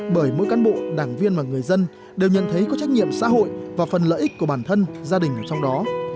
bởi mỗi cán bộ đảng viên và người dân đều nhận thấy có trách nhiệm xã hội và phần lợi ích của bản thân gia đình trong đó